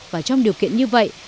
và trong điều kiện như vậy